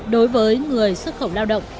đối với người xuất khẩu lao động